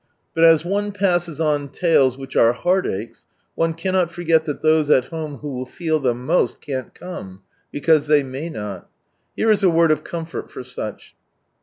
But js one passes on tales which are heart aches, one cannot forget that those at home who will feel them most, can't come, because they may noL Here is a word of comfort for such.